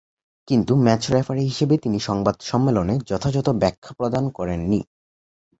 কিন্তু match referee হিসেবে তিনি সংবাদ সম্মেলনে যথাযথ ব্যাখ্যা প্রদান করেননি।